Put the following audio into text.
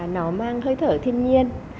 nó mang hơi thở thiên nhiên